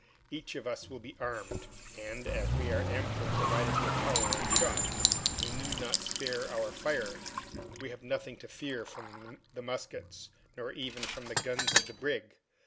Each of us will be armed, and, as we are amply provided with powder and shot, we need not spare our fire. We have nothing to fear from the muskets nor even from the guns of the brig.